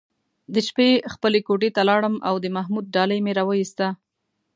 د شپې خپلې کوټې ته لاړم او د محمود ډالۍ مې راوویسته.